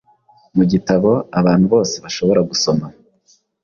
Mu gitabo abantu bose bashobora gusoma